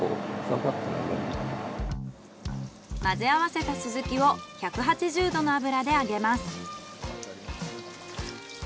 混ぜ合わせたスズキを１８０度の油で揚げます。